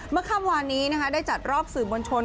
เมื่อค่ำวานนี้นะคะได้จัดรอบสื่อบนชน